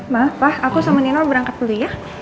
ma pa aku sama nino berangkat dulu ya